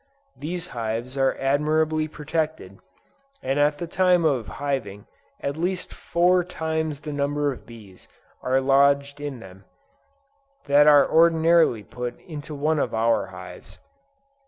These hives are admirably protected, and at the time of hiving at least four times the number of bees are lodged in them, that are ordinarily put into one of our hives.